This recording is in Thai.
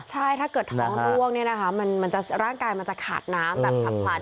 ใช่ถ้าเกิดท้องร่วงร่างกายมันจะขาดน้ำจับพลัน